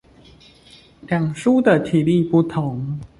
兩書的體例不同